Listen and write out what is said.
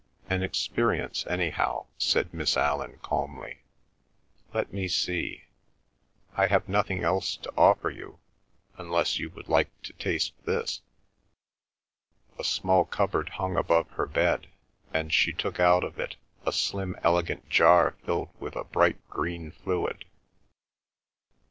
"An experience anyhow," said Miss Allan calmly. "Let me see—I have nothing else to offer you, unless you would like to taste this." A small cupboard hung above her bed, and she took out of it a slim elegant jar filled with a bright green fluid.